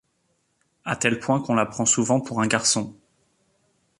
A tel point, qu'on la prend souvent pour un garçon.